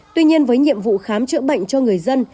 tuy nhiên với nhiệm vụ khám chữa bệnh cho người dân